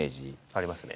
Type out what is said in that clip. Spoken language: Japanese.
ありますね。